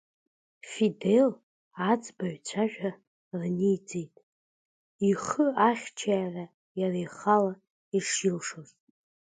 Фидель аӡбаҩцәа ажәа рниҵеит ихы ахьчара иара ихала ишилшоз.